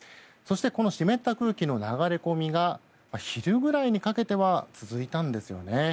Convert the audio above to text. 湿った空気の流れ込みが昼ぐらいにかけては続いたんですよね。